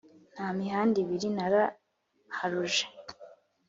Nta mihanda ibiri naharuje!